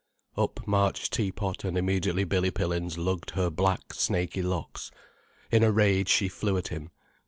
Up marched Tea pot, and immediately Billy Pillins lugged her black, snaky locks. In a rage she flew at him.